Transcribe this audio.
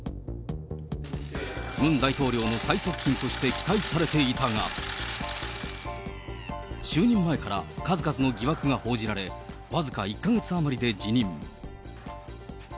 ムン大統領の最側近として期待されていたが、就任前から数々の疑惑が報じられ、僅か１か月余りで辞任。